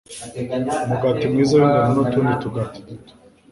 Umugati mwiza w’ingano n’utundi tugati duto